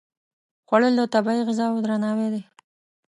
خوړل د طبیعي غذاو درناوی دی